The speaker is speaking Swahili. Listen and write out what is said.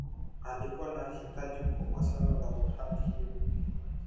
Alikuwa na hitaji kubwa sana la mali hiyo